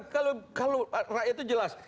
kalau rakyat itu jelas